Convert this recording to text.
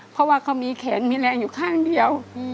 เพราะว่าเขามีแขนมีแรงอยู่ข้างเดียว